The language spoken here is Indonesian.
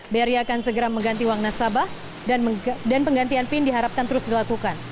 bri akan segera mengganti uang nasabah dan penggantian pin diharapkan terus dilakukan